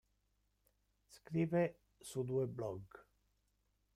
Scrive su due blog.